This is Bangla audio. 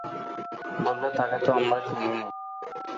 বললে, তাঁকে তো আমরা চিনি নে।